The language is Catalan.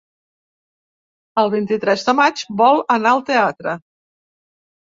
El vint-i-tres de maig vol anar al teatre.